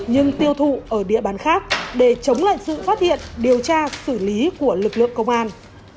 nhưng tiêu thụ ở địa bàn khác để chống lại sự phát hiện điều tra xử lý của lực lượng công an